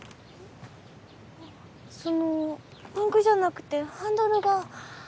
あっそのパンクじゃなくてハンドルが。